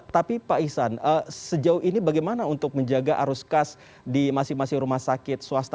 tapi pak ihsan sejauh ini bagaimana untuk menjaga arus kas di masing masing rumah sakit swasta